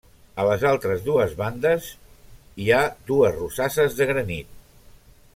A les altres dues bandes i hi ha dues rosasses de granit.